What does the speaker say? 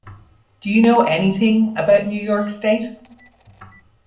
Do you know anything about New York State?